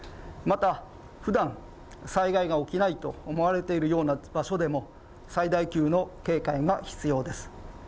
また、ふだん災害が起きないと思われているような場所でも、最大級の警戒が必要です。